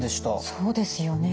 そうですよね。